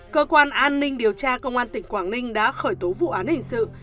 cơ quan an ninh điều tra công an tỉnh quảng ninh đã khởi tố vụ án hình sự